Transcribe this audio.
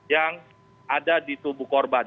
yang ada di tubuh korban